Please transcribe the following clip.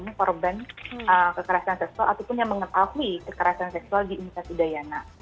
ini korban kekerasan seksual ataupun yang mengetahui kekerasan seksual di universitas udayana